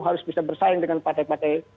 harus bisa bersaing dengan partai partai